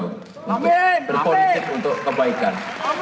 untuk berpolitik untuk kebaikan